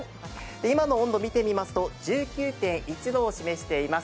今の温度、見てみますと１９．１度を示しています。